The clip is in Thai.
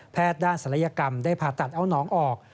ด้านศัลยกรรมได้ผ่าตัดเอาน้องออก